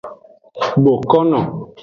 Bokono.